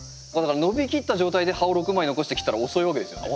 伸びきった状態で葉を６枚残して切ったら遅いわけですよね。